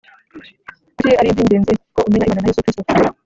Kuki ari iby ingenzi ko umenya Imana na Yesu Kristo